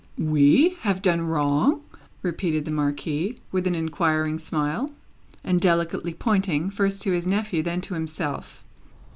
"We have done wrong?" repeated the Marquis, with an inquiring smile, and delicately pointing, first to his nephew, then to himself.